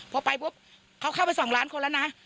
พอไปปุ๊บเขาเข้าไป๒ล้านคนแล้วนะ